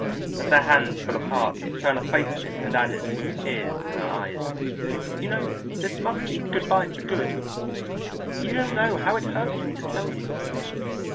As their hands fell apart Turner faced him and added, with tears in her eyes: "You know this must be good bye for good. You don't know how it hurts me to tell you.